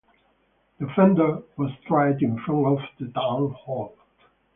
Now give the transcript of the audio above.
The offender was tried in front of the town hall.